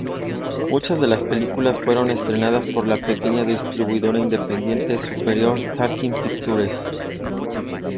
Muchas de las películas fueron estrenadas por la pequeña distribuidora independiente Superior Talking Pictures.